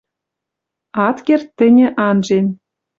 Ат керд тӹньӹ анжен